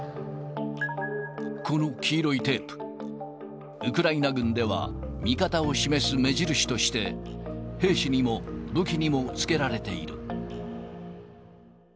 この黄色いテープ、ウクライナ軍では味方を示す目印として、兵士にも、武器にもつけられている。